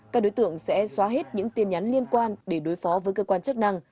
các đối tượng sẽ xóa hết những tin nhắn liên quan để đối phó với cơ quan chức năng